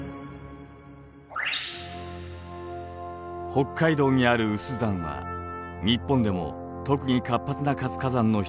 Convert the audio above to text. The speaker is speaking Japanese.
北海道にある有珠山は日本でも特に活発な活火山の一つです。